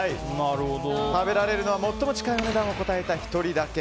食べられるのは最も近いお値段を答えた１人だけ。